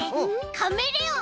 カメレオン！